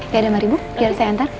ya udah mari bu biar saya antar